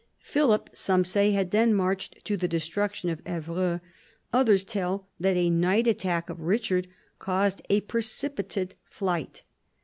Philip, some say, had then marched to the destruction of Evreux; others tell that a night attack of Richard caused a precipitate flight.